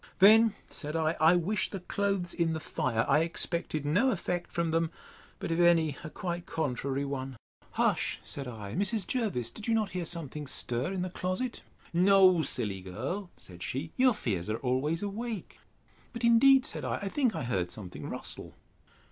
Then, said I, I wish the clothes in the fire: I expected no effect from them; but, if any, a quite contrary one. Hush! said I, Mrs. Jervis, did you not hear something stir in the closet? No, silly girl, said she, your fears are always awake.—But indeed, said I, I think I heard something rustle.